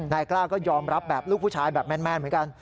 นายกล้าก็ยอมรับแบบลูกผู้ชายแบบแมนเหมือนกัน